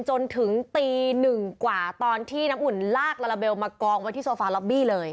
จนถึงตีหนึ่งกว่าตอนที่น้ำอุ่นลากลาลาเบลมากองไว้ที่โซฟาล็อบบี้เลย